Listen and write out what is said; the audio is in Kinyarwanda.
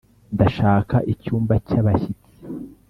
ndashaka icyumba cyabashyitsi